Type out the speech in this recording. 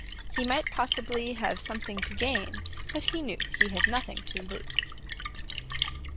He might possibly have something to gain, but he knew he had nothing to lose.